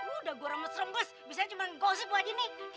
udah gua rambut serembus bisa cuma gosip buat ini